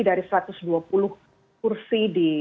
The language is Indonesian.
dari satu ratus dua puluh kursi di